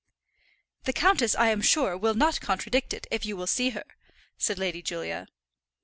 "The countess, I am sure, will not contradict it, if you will see her," said Lady Julia.